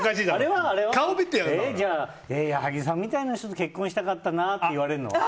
じゃあ、矢作さんみたいな人と結婚したかったなって言われるのは？